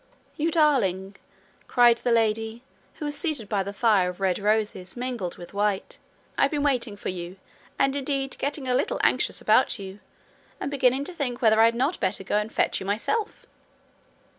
'You darling!' cried the lady, who was seated by a fire of red roses mingled with white. 'I've been waiting for you, and indeed getting a little anxious about you, and beginning to think whether I had not better go and fetch you myself.'